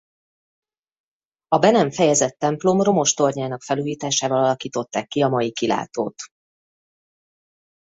A be nem fejezett templom romos tornyának felújításával alakították ki a mai kilátót.